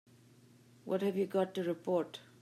What have you got to report?